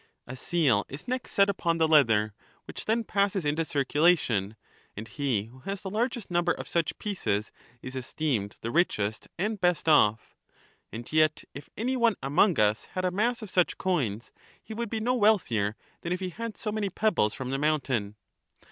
A seal is next set upon the leather, which then passes into circulation, and he who has the largest number of such pieces is esteemed the richest and best off. And yet if any one among us had a mass of such coins he would be no wealthier than if he had so many pebbles from the mountain.